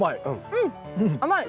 うん甘い。